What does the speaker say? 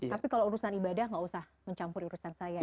tapi kalau urusan ibadah gak usah mencampur urusan saya